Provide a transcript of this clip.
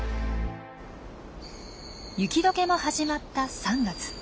雪解けも始まった３月。